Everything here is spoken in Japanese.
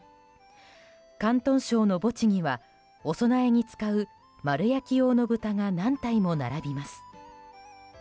広東省の墓地にはお供えに使う丸焼き用の豚が何体も並びます。